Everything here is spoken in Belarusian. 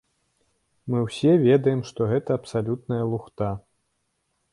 Мы ўсе ведаем, што гэта абсалютная лухта.